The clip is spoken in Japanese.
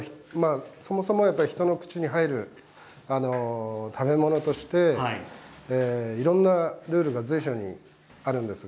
そもそも人の口に入る食べ物としていろいろなルールが随所にあるんです。